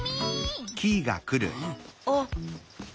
あっ！